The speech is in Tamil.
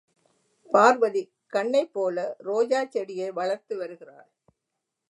பார்வதி கண்ணைப் போல ரோஜாச் செடியை வளர்த்து வருகிறாள்.